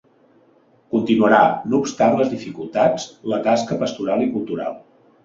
Continuarà, no obstant les dificultats, la tasca pastoral i cultural.